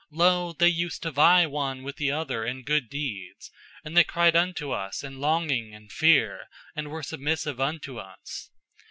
Lo! they used to vie one with the other in good deeds, and they cried unto Us in longing and in fear, and were submissive unto Us.